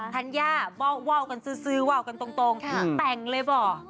ธัญญาว่าวกันซื้อว่าวกันตรงแต่งเลยบ่อ